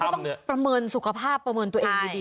เพราะฉะนั้นก็ต้องประเมินสุขภาพประเมินตัวเองดี